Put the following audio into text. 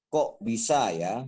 kok bisa ya